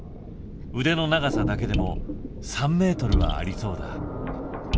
腕の長さだけでも３ｍはありそうだ。